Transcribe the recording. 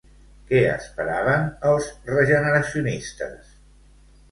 Què esperaven els regeneracionistes?